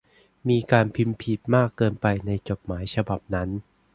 มีการพิมพ์ผิดมากเกินไปในจดหมายฉบับนั้น